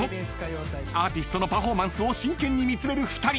［アーティストのパフォーマンスを真剣に見つめる２人］